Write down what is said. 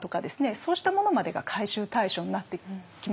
そうしたものまでが回収対象になってきます。